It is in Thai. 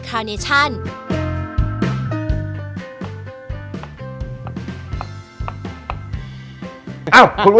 สวัสดีครับ